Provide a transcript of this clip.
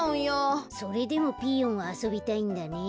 それでもピーヨンはあそびたいんだね。